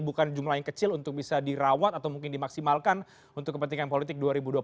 bukan jumlah yang kecil untuk bisa dirawat atau mungkin dimaksimalkan untuk kepentingan politik dua ribu dua puluh empat